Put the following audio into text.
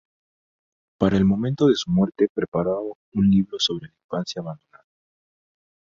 Para el momento de su muerte preparaba un libro sobre la infancia abandonada.